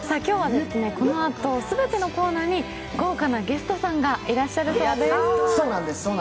今日はこのあと、全てのコーナーに豪華なゲストさんがいらっしゃるそうです。